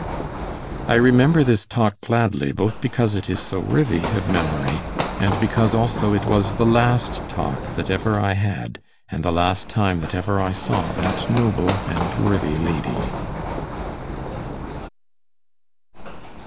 I remember this talk gladly, both because it is so worthy of memory, and because also it was the last talk that ever I had, and the last time that ever I saw that noble and worthy lady.